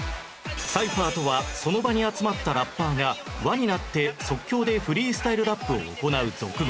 サイファーとはその場に集まったラッパーが輪になって即興でフリースタイルラップを行う俗語